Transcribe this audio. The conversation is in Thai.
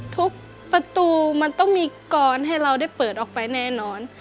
ทุกประตูมันต้องมีกรให้เราได้เปิดออกไปแน่นอน